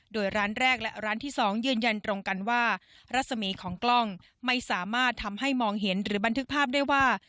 โดยร้านแรกและร้านที่๒ยืนยันตรงกันว่ารัศมีของกล้องไม่สามารถทำให้มองเห็นหรือบันทึกภาพได้ว่า